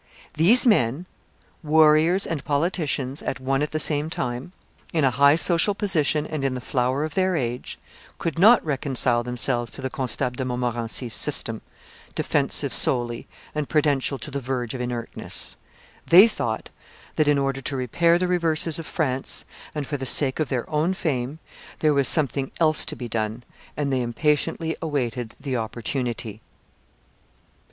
These men, warriors and politicians at one and the same time, in a high social position and in the flower of their age, could not reconcile themselves to the Constable de Montmorency's system, defensive solely and prudential to the verge of inertness; they thought that, in order to repair the reverses of France and for the sake of their own fame, there was something else to be done, and they impatiently awaited the opportunity.